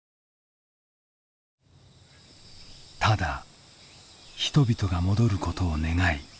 ただ人々が戻ることを願い